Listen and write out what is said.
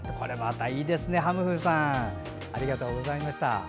いいですね、はむふーさんありがとうございました。